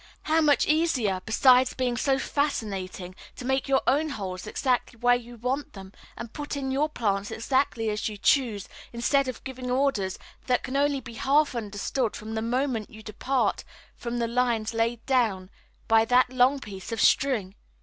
How much easier, besides being so fascinating, to make your own holes exactly where you want them and put in your plants exactly as you choose instead of giving orders that can only be half understood from the moment you depart from the lines laid down by that long piece of string!